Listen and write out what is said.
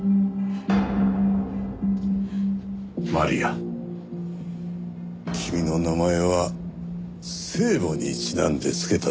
マリア君の名前は聖母にちなんで付けたと聞いた。